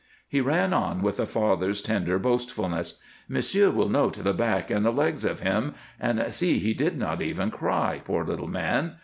He ran on with a father's tender boastfulness. "M'sieu' will note the back and the legs of him. And see, he did not even cry, poor little man!